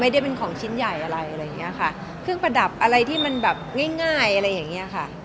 ไม่ได้เป็นของชิ้นใหญ่อะไรอะไรอย่างเงี้ยค่ะเครื่องประดับอะไรที่มันแบบง่ายง่ายอะไรอย่างเงี้ยค่ะ